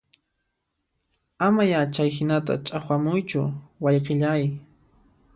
Ama ya chayhinata ch'aqwamuychu wayqillay